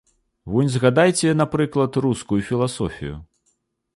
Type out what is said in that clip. Вунь згадайце, напрыклад, рускую філасофію.